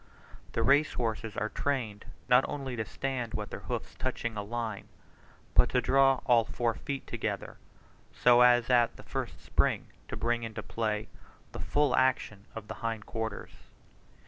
The race horses are trained not only to stand with their hoofs touching a line, but to draw all four feet together, so as at the first spring to bring into play the full action of the hind quarters.